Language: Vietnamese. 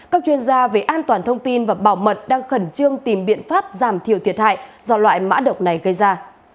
các chuyên gia về an toàn thông tin và bảo mật đang khẩn trương tìm biện pháp giảm thiểu thiệt hại do loại mã độc này gây ra